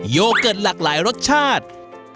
โยเกิร์ตหลากหลายรสชาติ